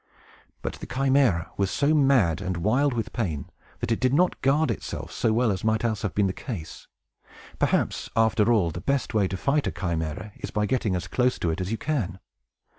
But the Chimæra was so mad and wild with pain, that it did not guard itself so well as might else have been the case. Perhaps, after all, the best way to fight a Chimæra is by getting as close to it as you can.